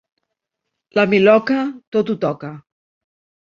La miloca tot ho toca.